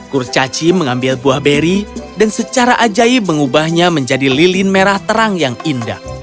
kurcaci mengambil buah beri dan secara ajaib mengubahnya menjadi lilin merah terang yang indah